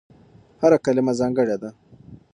هره کلمه ځانګړې ده.